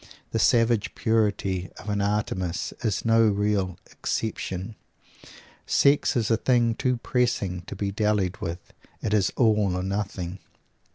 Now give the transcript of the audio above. The savage purity of an Artemis is no real exception. Sex is a thing too pressing to be dallied with. It is all or nothing.